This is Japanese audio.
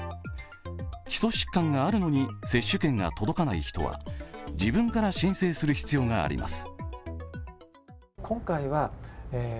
基礎疾患があるのに接種券が届かない人は自分から申請する必要があります。